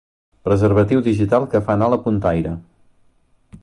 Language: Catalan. Preservatiu digital que fa anar la puntaire.